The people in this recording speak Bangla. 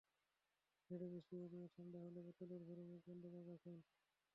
নেড়ে মিশিয়ে নিয়ে ঠান্ডা হলে বোতলে ভরে মুখ বন্ধ করে রাখুন।